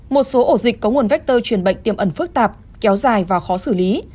một số ổ dịch có nguồn vector truyền bệnh tiềm ẩn phức tạp kéo dài và khó xử lý